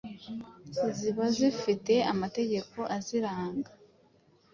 ziba zifite amategeko aziranga.